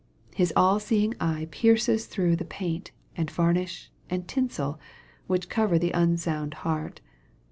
His all seeing eye pierces through the paint, and varnish, and tinsel, which cover the unsound heart.